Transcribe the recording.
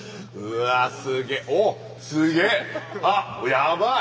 やばい！